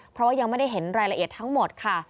เพราะว่ายังไม่ได้เห็นรายละเอียดทั้งหมดค่ะ